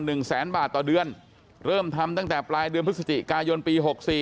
หนึ่งแสนบาทต่อเดือนเริ่มทำตั้งแต่ปลายเดือนพฤศจิกายนปีหกสี่